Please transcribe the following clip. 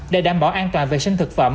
để đảm bảo an toàn vệ sinh thực phẩm